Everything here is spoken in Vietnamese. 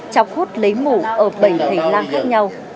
chọc hút lấy mũ ở bảy thầy lan khác nhau